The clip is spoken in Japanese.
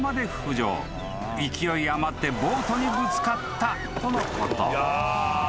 ［勢い余ってボートにぶつかったとのこと］